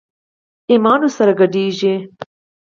ايمان ور سره ګډېږي.